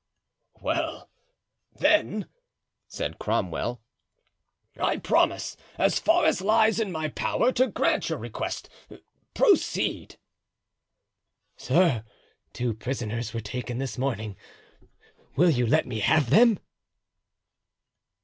"Well, then," said Cromwell, "I promise, as far as lies in my power, to grant your request; proceed." "Sir, two prisoners were taken this morning, will you let me have them?"